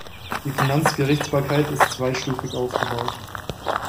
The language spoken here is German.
Die Finanzgerichtsbarkeit ist zweistufig aufgebaut.